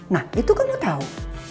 nah itu kamu tau